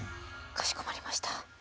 かしこまりました。